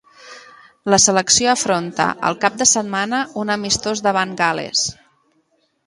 La selecció afronta el cap de setmana un amistós davant Gal·les.